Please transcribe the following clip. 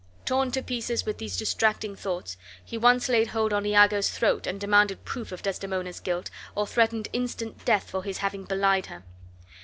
Torn to pieces with these distracting thoughts, he once laid hold on Iago's throat and demanded proof of Desdemona's guilt, or threatened instant death for his having belied her.